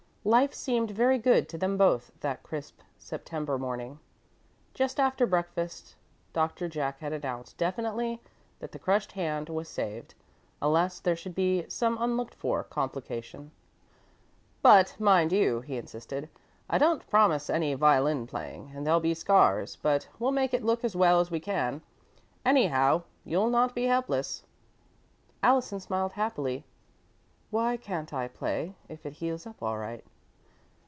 Life seemed very good to them both that crisp September morning. Just after breakfast Doctor Jack had announced, definitely, that the crushed hand was saved, unless there should be some unlooked for complication "But mind you," he insisted, "I don't promise any violin playing, and there'll be scars, but we'll make it look as well as we can. Anyhow, you'll not be helpless." Allison smiled happily. "Why can't I play, if it heals up all right?"